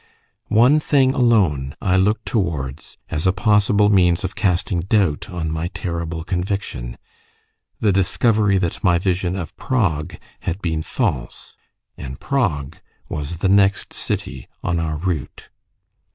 One thing alone I looked towards as a possible means of casting doubt on my terrible conviction the discovery that my vision of Prague had been false and Prague was the next city on our route.